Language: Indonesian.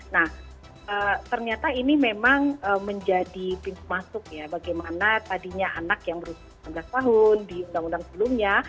nah ternyata ini memang menjadi pintu masuk ya bagaimana tadinya anak yang berusia enam belas tahun di undang undang sebelumnya